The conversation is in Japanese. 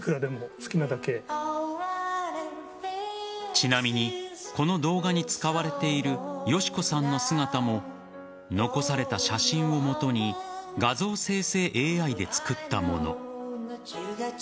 ちなみにこの動画に使われている敏子さんの姿も残された写真を基に画像生成ＡＩで作ったもの。